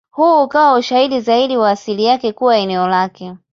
Huu ukawa ushahidi zaidi wa asili yake kuwa eneo lake.